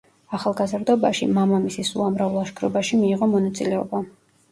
ახალგაზრდობაში მამამისის უამრავ ლაშქრობაში მიიღო მონაწილეობა.